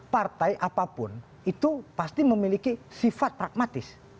partai apapun itu pasti memiliki sifat pragmatis